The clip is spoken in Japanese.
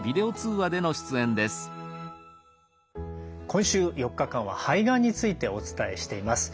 今週４日間は肺がんについてお伝えしています。